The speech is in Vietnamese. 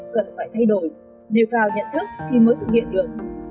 cần phải thay đổi nêu cao nhận thức thì mới thực hiện được